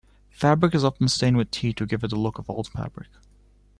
Fabric is often stained with tea to give it the look of old fabric.